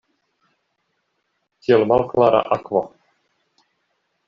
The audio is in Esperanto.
Kiel malklara akvo.